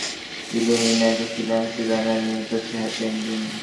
সাইফের নিজস্ব প্রযোজনা প্রতিষ্ঠান ইলুমিনাতি ফিল্মসের ব্যানারে নির্মিত হচ্ছে হ্যাপি এন্ডিং।